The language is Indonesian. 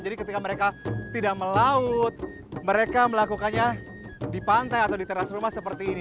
jadi ketika mereka tidak melaut mereka melakukannya di pantai atau di teras rumah seperti ini